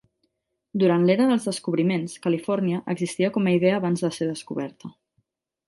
Durant l'era dels descobriments, Califòrnia existia com a idea abans de ser descoberta.